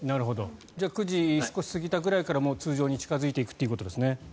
じゃあ９時少し過ぎたくらいから通常に近付いていくということですね。